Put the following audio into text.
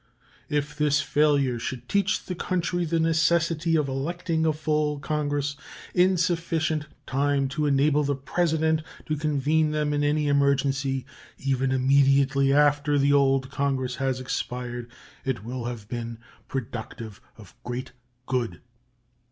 If this failure should teach the country the necessity of electing a full Congress in sufficient time to enable the President to convene them in any emergency, even immediately after the old Congress has expired, it will have been productive of great good.